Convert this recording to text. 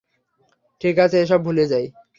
ঠিক আছে, এসব ভুলে যাই।